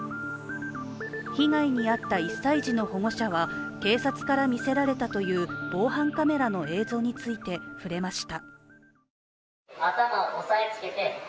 被害に遭った１歳児の保護者は警察から見せられたという防犯カメラの映像について触れました。